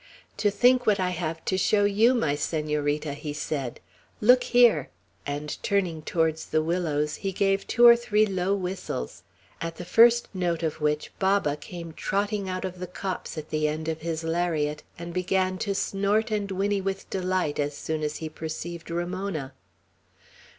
"To think what I have to show you, my Senorita," he said. "Look here;" and turning towards the willows, he gave two or three low whistles, at the first note of which Baba came trotting out of the copse to the end of his lariat, and began to snort and whinny with delight as soon as he perceived Ramona.